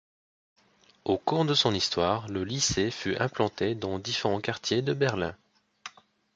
Au cours de son histoire, le lycée fut implanté dans différents quartiers de Berlin.